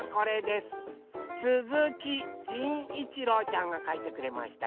すずきじんいちろうちゃんがかいてくれました。